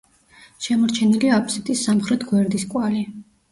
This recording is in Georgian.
შემორჩენილია აფსიდის სამხრეთ გვერდის კვალი.